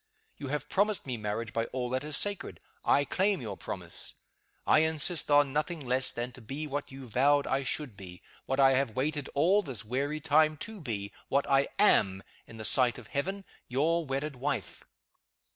You have promised me marriage by all that is sacred. I claim your promise. I insist on nothing less than to be what you vowed I should be what I have waited all this weary time to be what I am, in the sight of Heaven, your wedded wife.